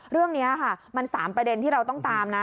เรื่องนี้ค่ะมัน๓ประเด็นที่เราต้องตามนะ